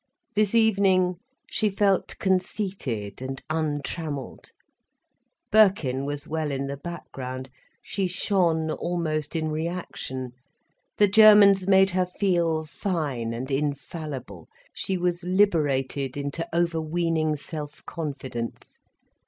This evening she felt conceited and untrammelled. Birkin was well in the background, she shone almost in reaction, the Germans made her feel fine and infallible, she was liberated into overweening self confidence.